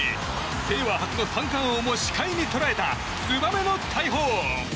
令和初の三冠王も視界に捉えた燕の大砲。